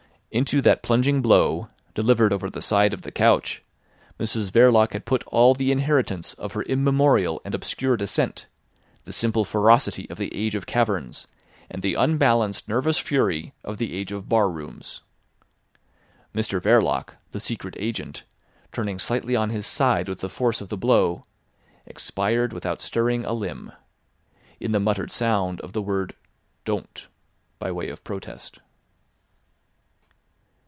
Into that plunging blow, delivered over the side of the couch, Mrs Verloc had put all the inheritance of her immemorial and obscure descent, the simple ferocity of the age of caverns, and the unbalanced nervous fury of the age of bar rooms. Mr Verloc, the Secret Agent, turning slightly on his side with the force of the blow, expired without stirring a limb, in the muttered sound of the word "Don't" by way of protest.